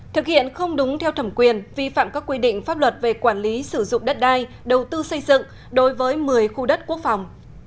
thực hiện không đúng theo thẩm quyền vi phạm các quy định pháp luật về quản lý sử dụng đất đai đầu tư xây dựng đối với một mươi khu đất quốc phòng